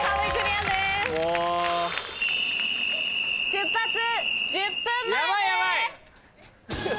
出発１０分前です！